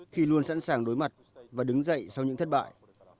khi luôn sẵn sàng đối mặt và đứng dậy sau những thất bại